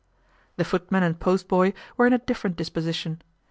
The footman and post boy were in a different disposition.